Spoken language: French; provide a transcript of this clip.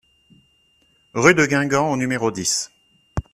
Rue de Guingamp au numéro dix